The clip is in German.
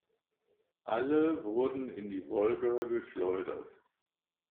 Alle wurden in die Wolga geschleudert.